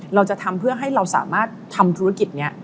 เราจะทำเพื่อให้เราสามารถทำธุรกิจนี้